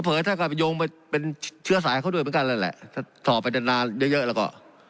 เผลอถ้าคุณโยงไปเป็นเชื้อสายเขาด้วยกันแล้วแหละถอบปัญญาณาเยอะก็